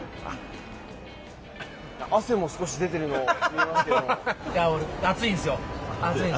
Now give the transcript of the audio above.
汗も少し出ているの見えますけども。